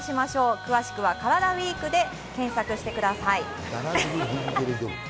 詳しくはカラダＷＥＥＫで検索してください。